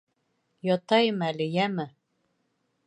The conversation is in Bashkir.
Ятайым әле, йәме.